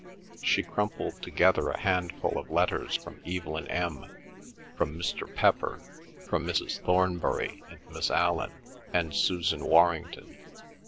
She crumpled together a handful of letters from Evelyn M., from Mr. Pepper, from Mrs. Thornbury and Miss Allan, and Susan Warrington.